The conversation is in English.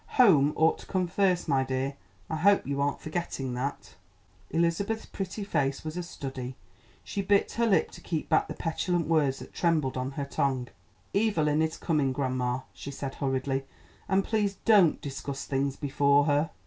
Home ought to come first, my dear; I hope you aren't forgetting that." Elizabeth's pretty face was a study; she bit her lip to keep back the petulant words that trembled on her tongue. "Evelyn is coming, grandma," she said hurriedly, "and please don't discuss things before her."